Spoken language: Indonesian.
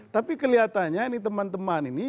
jadi saya tanya teman teman ini